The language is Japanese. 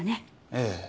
ええ。